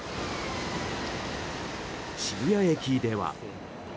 渋谷駅では。